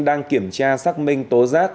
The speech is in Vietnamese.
đang kiểm tra xác minh tố giác